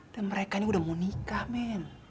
dan mereka ini udah mau nikah men